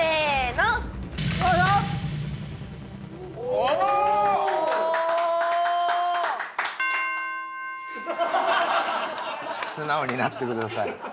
おお素直になってください